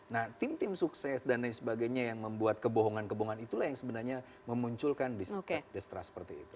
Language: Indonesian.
nah tim tim sukses dan lain sebagainya yang membuat kebohongan kebohongan itulah yang sebenarnya memunculkan distrust seperti itu